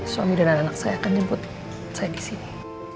suami dan anak saya akan jemput saya disini